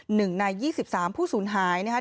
หนึ่งใน๒๓ผู้สูญหายนะครับ